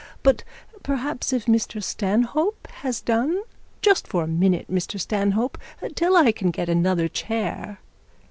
But, perhaps, if Mr Stanhope has done just for a minute, Mr Stanhope till I can get another chair.'